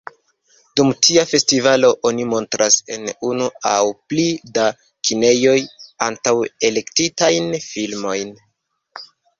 Dum tia festivalo, oni montras en unu aŭ pli da kinejoj antaŭ-elektitajn filmojn.